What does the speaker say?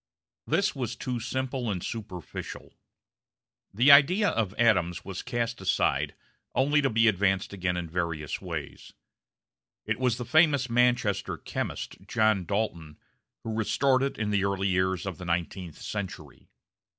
This was too simple and superficial. The idea of atoms was cast aside, only to be advanced again in various ways. It was the famous Manchester chemist, John Dalton, who restored it in the early years of the nineteenth century.